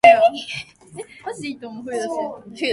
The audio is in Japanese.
次は保谷保谷